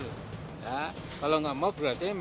kalau tidak mau kita akan meminta audit forensik it terakhir